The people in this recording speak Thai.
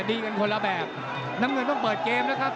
ดีกันคนละแบบน้ำเงินต้องเปิดเกมนะครับ